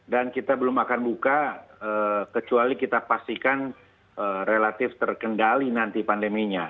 kita belum akan buka kecuali kita pastikan relatif terkendali nanti pandeminya